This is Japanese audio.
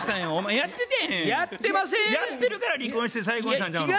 やってるから離婚して再婚したんちゃうの？